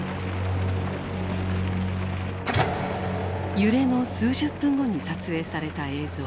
揺れの数十分後に撮影された映像。